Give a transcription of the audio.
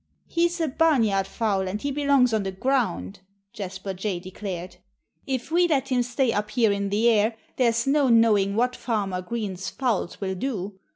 "He's a barnyard fowl and he belongs on the ground," Jasper Jay declared. "If we let him stay up here in the air there's no knowing what Farmer Green's fowls will do.